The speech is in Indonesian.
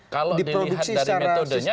kalau dilihat dari metodenya